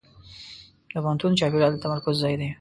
د پوهنتون چاپېریال د تمرکز ځای دی.